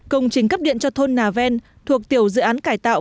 công trình cấp điện cho thôn nà ven thuộc tiểu dự án cải tạo